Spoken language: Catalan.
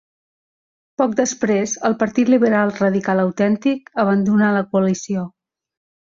Poc després el Partit Liberal Radical Autèntic abandonà la coalició.